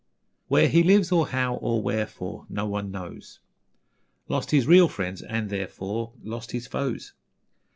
Where he lives, or how, or wherefore No one knows; Lost his real friends, and therefore Lost his foes.